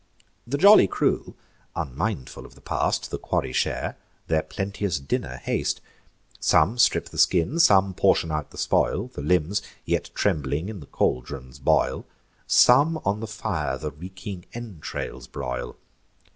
The jolly crew, unmindful of the past, The quarry share, their plenteous dinner haste. Some strip the skin; some portion out the spoil; The limbs, yet trembling, in the caldrons boil; Some on the fire the reeking entrails broil.